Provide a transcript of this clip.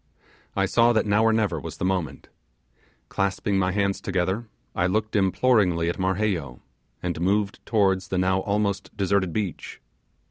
I saw that now or never was the moment. Clasping my hands together, I looked imploringly at Marheyo, and move towards the now almost deserted beach.